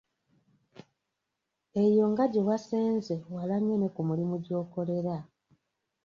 Eyo nga gye wasenze wala nnyo ne ku mulimu gy'okolera.